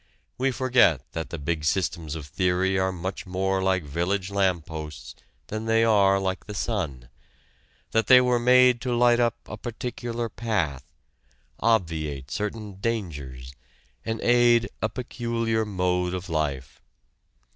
We forget that the big systems of theory are much more like village lamp posts than they are like the sun, that they were made to light up a particular path, obviate certain dangers, and aid a peculiar mode of life.